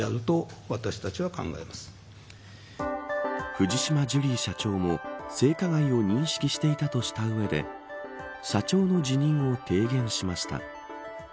藤島ジュリー社長も性加害を認識していたとした上で社長の辞任を提言しました。